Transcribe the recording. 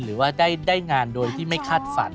หรือว่าได้งานโดยที่ไม่คาดฝัน